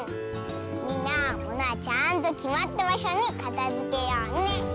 みんなものはちゃんときまったばしょにかたづけようね！